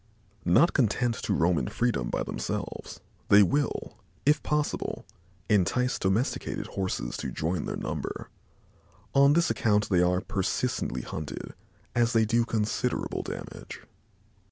Not content to roam in freedom by themselves, they will, if possible, entice domesticated Horses to join their number. On this account they are persistently hunted, as they do considerable damage.